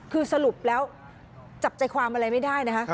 คือสรุปแล้วจับใจความอะไรไม่ได้นะคะ